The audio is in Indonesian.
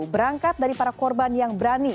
berangkat dari para korban yang berani